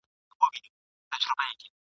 په دې دوه رنګه دنیا کي هرڅه کیږي ..